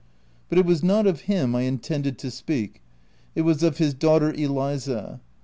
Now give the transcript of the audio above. But it was not of him I intended to speak ; it was of his daughter Eliza.